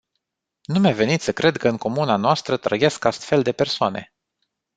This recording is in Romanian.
Nu mi-a venit să cred că în comuna noastră trăiesc astfel de persoane.